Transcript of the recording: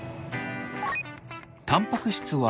たんぱく質は。